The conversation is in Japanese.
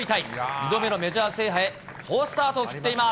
２度目のメジャー制覇へ好スタートを切っています。